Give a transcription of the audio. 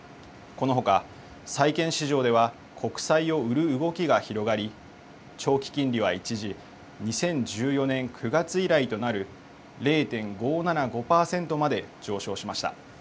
このほか債券市場では、国債を売る動きが広がり、長期金利は一時、２０１４年９月以来となる０．５７５％まで上昇しました。